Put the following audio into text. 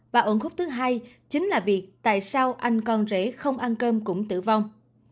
và ổn khúc thứ hai chính là việc tại sao anh con rễ không ăn cơm cũng tử vong